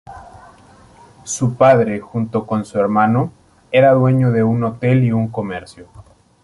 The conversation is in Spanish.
Su padre, junto con su hermano, era dueño de un hotel y un comercio.